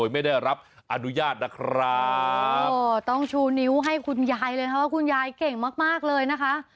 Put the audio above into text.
เพราะว่าคุณยายเก่งมากเลยนะคะ